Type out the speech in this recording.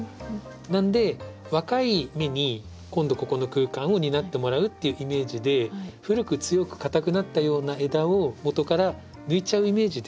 なので若い芽に今度ここの空間を担ってもらうっていうイメージで古く強く硬くなったような枝を元から抜いちゃうイメージで。